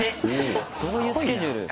・どういうスケジュール？